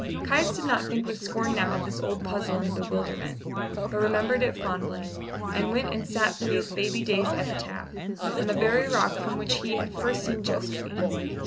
Caius did not think with scorn now of this old puzzle and bewilderment, but remembered it fondly, and went and sat beneath baby Day's epitaph, on the very rock from which he had first seen Josephine.